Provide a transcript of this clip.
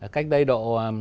cách đây độ